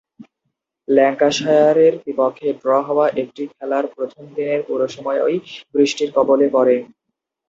ল্যাঙ্কাশায়ারের বিপক্ষে ড্র হওয়া একটি খেলার প্রথম-দিনের পুরো সময়ই বৃষ্টির কবলে পড়ে।